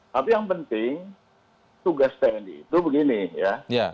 tapi yang penting tugas tni itu begini ya